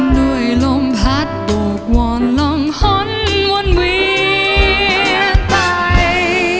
ด้วยลมพัดโบกว่างล่องฮนวนเวียนไป